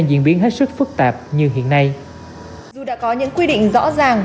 dù đã có những quy định rõ ràng